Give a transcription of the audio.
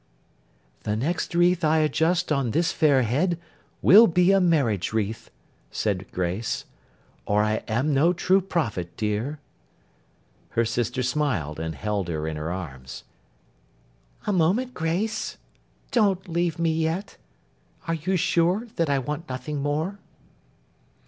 'The next wreath I adjust on this fair head, will be a marriage wreath,' said Grace; 'or I am no true prophet, dear.' Her sister smiled, and held her in her arms. 'A moment, Grace. Don't leave me yet. Are you sure that I want nothing more?